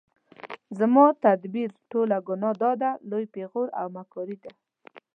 زما تدبیر ټوله ګناه ده لوی پیغور او مکاري ده